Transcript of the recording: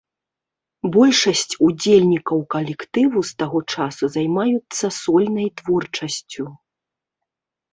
Большасць удзельнікаў калектыву з таго часу займаюцца сольнай творчасцю.